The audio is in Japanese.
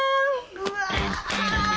うわ！